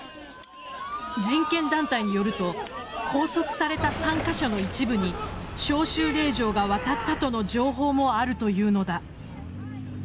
人権団体によると拘束された参加者の一部に招集令状が渡ったとの情報もあるというのだ。